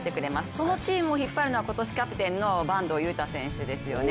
そのチームを引っ張るのは今年キャプテンの坂東悠汰選手ですよね。